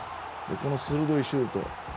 この鋭いシュート。